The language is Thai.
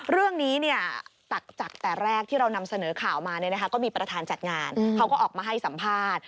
เรื่องนี้จากแต่แรกที่เรานำเสนอข่าวมาก็มีประธานจัดงานเขาก็ออกมาให้สัมภาษณ์